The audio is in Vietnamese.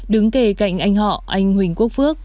đứng kề cạnh anh họ anh huỳnh quốc phước